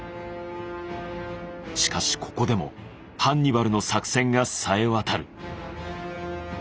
しかしここでもハンニバルの作戦がさえわたる。